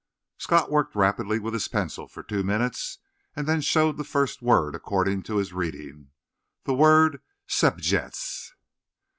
Scott worked rapidly with his pencil for two minutes; and then showed the first word according to his reading—the word "Scejtzez."